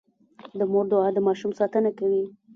د مور دعا د ماشوم ساتنه کوي.